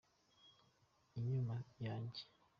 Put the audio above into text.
inyuma yanjye.